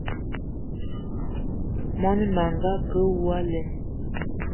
Mon manga a ke awou alen!